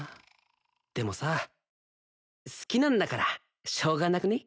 でもさ好きなんだからしょうがなくね？